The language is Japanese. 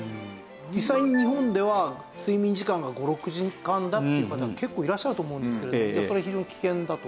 実際に日本では睡眠時間が５６時間だっていう方は結構いらっしゃると思うんですけれどもそれは非常に危険だと？